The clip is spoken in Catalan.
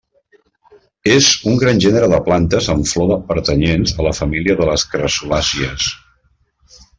És un gran gènere de plantes amb flor pertanyents a la família de les crassulàcies.